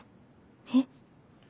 えっ？